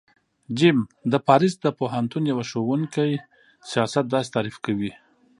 ج : د پاریس د پوهنتون یوه ښوونکی سیاست داسی تعریف کوی